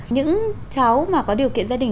những cháu mà có điều kiện gia đình